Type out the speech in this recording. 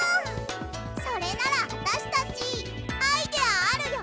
それならあたしたちアイデアあるよ！